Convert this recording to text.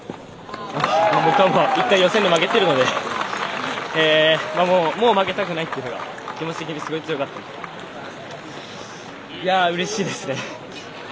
僕は一回、予選で負けてるのでもう負けたくないっていうのが気持ち的にすごい強かったのでいやうれしいですね。